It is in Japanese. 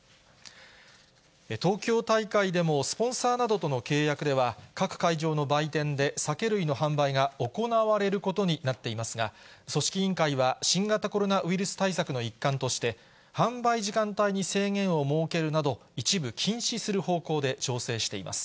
東京大会でも、スポンサーなどとの契約では、各会場の売店で酒類の販売が行われることになっていますが、組織委員会は、新型コロナウイルス対策の一環として、販売時間帯に制限を設けるなど、一部禁止する方向で調整しています。